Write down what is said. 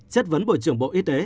chất vấn bộ trưởng bộ y tế